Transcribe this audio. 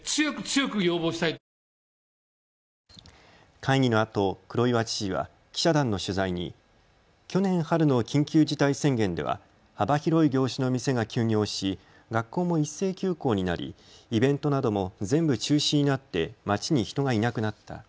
会議のあと黒岩知事は記者団の取材に去年春の緊急事態宣言では幅広い業種の店が休業し学校も一斉休校になりイベントなども全部中止になって街に人がいなくなった。